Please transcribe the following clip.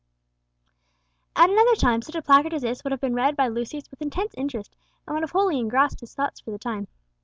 At another time such a placard as this would have been read by Lucius with intense interest, and would have wholly engrossed his thoughts for the time.